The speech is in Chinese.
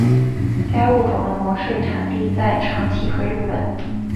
该物种的模式产地在长崎和日本。